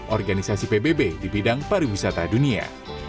organisasi pbb di bidang pariwisata dunia